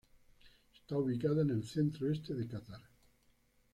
Esta ubicada en el centro este de Catar.